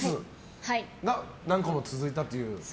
それが何個も続いたという。